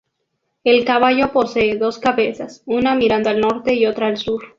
El caballo posee dos cabezas, una mirando al norte y otra al sur.